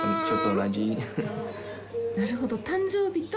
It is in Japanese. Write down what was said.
なるほど。